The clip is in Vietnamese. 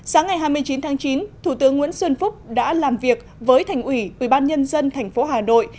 sáng ngày hai mươi chín tháng chín thủ tướng nguyễn xuân phúc đã làm việc với thành ủy ubnd tp hà nội